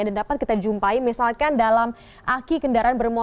dan dapat kita jumpai misalkan dalam aki kendaraan berbentuk